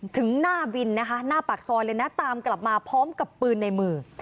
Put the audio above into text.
ถึงหน้าวินนะคะหน้าปากซอยเลยนะตามกลับมาพร้อมกับปืนในมือ